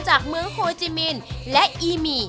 จากมื้อโฮจิมินและอีมี